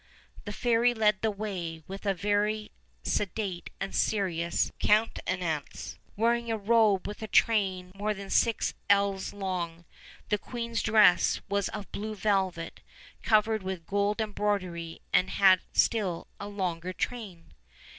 The fairy led the way, with a very sedate and serious countenance, wearing a robe with a train more than six ells long; the queen's dress was of blue velvet, covered with gold embroidery, and had a still longer train.